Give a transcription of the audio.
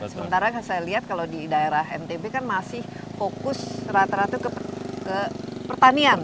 sementara saya lihat kalau di daerah ntb kan masih fokus rata rata ke pertanian